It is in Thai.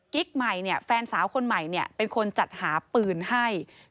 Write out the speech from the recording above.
ใหม่แฟนสาวคนใหม่เป็นคนจัดหาปืนให้